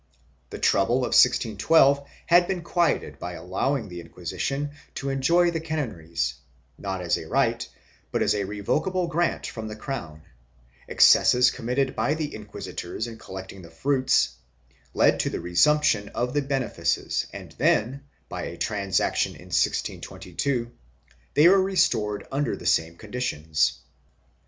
The trouble of 1612 had been quieted by allowing the Inquisition to enjoy the canonries, not as a right, but as a revocable grant from the crown; excesses committed by the inquisitors in col lecting the fruits led to the resumption of the benefices and then, by a transaction in 1622, they were restored under the same conditions.